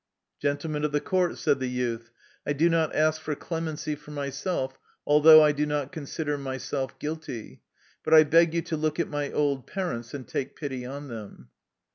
''" Gentlemen of the court,'' said the youth, " I do not ask for clemency for myself, although I do not consider myself guilty. But I beg you to look at my old parents and take pity on them."